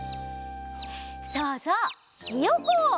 そうそうひよこ！